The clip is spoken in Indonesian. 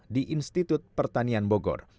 di institut pertanian bogor